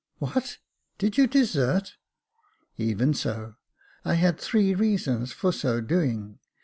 *' What ! did you desert ?"Even so. I had three reasons for so doing.